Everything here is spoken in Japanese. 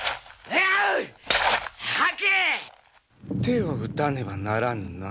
手を打たねばならぬな。